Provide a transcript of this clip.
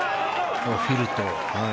フィルと。